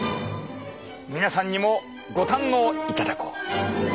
皆さんにもご堪能いただこう。